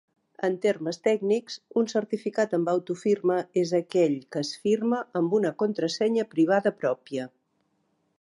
En termes tècnics, un certificat amb autofirma és aquell que es firma amb una contrasenya privada pròpia.